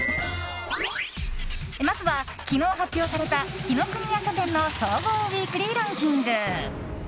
まずは昨日発表された紀伊國屋書店の総合ウィークリーランキング。